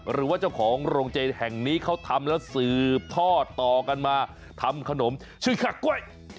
หรือว่าเจ้าของโรงเจนแห่งนี้เขาทำแล้วสืบทอดต่อกันมาทำขนมชื่อคักกล้วย